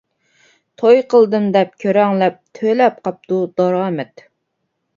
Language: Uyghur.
توي قىلدىم دەپ كۆرەڭلەپ، تۆلەپ قاپتۇ دارامەت.